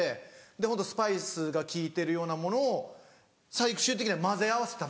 ホントスパイスが効いてるようなものを最終的には混ぜ合わせて食べる。